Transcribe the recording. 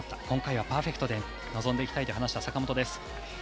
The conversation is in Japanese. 今回はパーフェクトで臨んでいきたいと話した坂本。